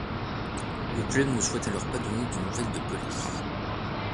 Le club ne souhaite alors pas donner de nouvelles de Pelé.